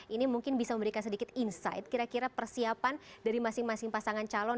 ini mungkin bisa memberikan sedikit insight kira kira persiapan dari masing masing pasangan calon